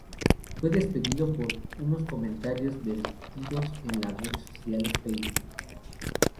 Fue despedido por unos comentarios vertidos en la red social Facebook.